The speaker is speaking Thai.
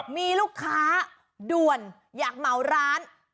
มีลูกค้าด่วนอยากเหมาร้าน